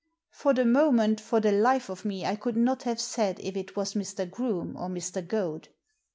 For the moment for the life of me I could not have said if it was Mr. Groome or Mr. Goad.